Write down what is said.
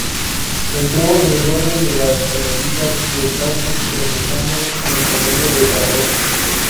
Entró en la orden de los carmelitas descalzos, profesando en el convento de Zaragoza.